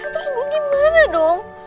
terus gue gimana dong